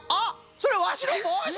それはわしのぼうし！